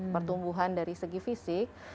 pertumbuhan dari segi fisik